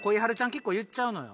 結構言っちゃうのよ